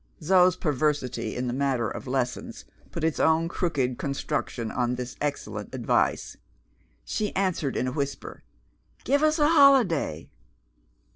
Zo's perversity in the matter of lessons put its own crooked construction on this excellent advice. She answered in a whisper, "Give us a holiday."